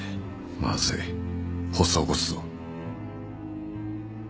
まずい発作を起こすぞ